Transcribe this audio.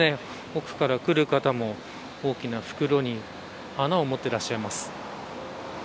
奥から来る方も大きな袋に花を持ってらっしゃいます。